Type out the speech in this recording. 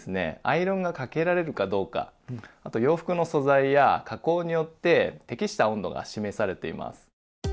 アイロンがかけられるかどうかあと洋服の素材や加工によって適した温度が示されています。